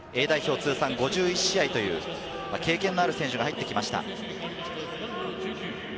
通算５１試合という経験のある選手が入ってきました。